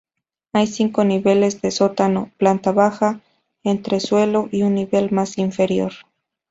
Hay cinco niveles de sótano, planta baja, entresuelo, y un nivel más inferior.